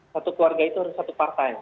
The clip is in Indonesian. satu keluarga itu harus satu partai